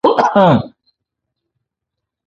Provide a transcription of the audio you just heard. • دې کولای شي عبرت درلودونکی ټولنیز رول ولري.